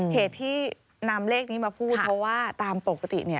เหตุที่นำเลขนี้มาพูดเพราะว่าตามปกติ